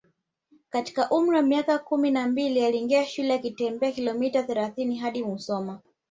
katika umri wa miaka kumi na mbili aliingia shule akitembea kilomita thelathini hadi Musoma